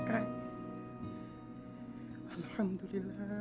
dan aku akan mengganti semua dana khas masjid yang sudah terpakai